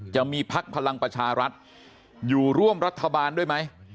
จะมีพักพลังประชารัฐอยู่ร่วมรัฐบาลด้วยไหม